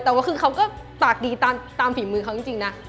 แต่ว่าคือเขาก็ปากดีตามฝีมือเขาจริงนะ